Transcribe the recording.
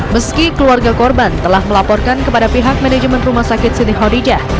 meski keluarga korban telah melaporkan kepada pihak manajemen rumah sakit siti hodijah